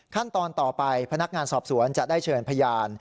ขั้นตอนต่อไปพนักงานสอบสวนจะได้เชิญพยาน